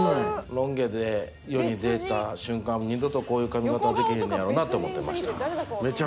ロン毛で世に出た瞬間二度とこういう髪型はできへんねやろなと思ってました。